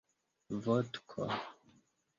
vodko